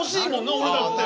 俺だって。